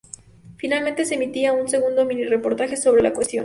Finalmente, se emitía un segundo mini-reportaje sobre la cuestión.